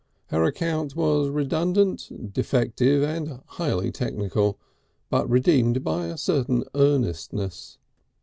Her account was redundant, defective and highly technical, but redeemed by a certain earnestness.